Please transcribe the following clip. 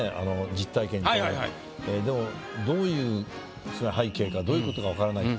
実体験でもどういう背景かどういう事か分からないって。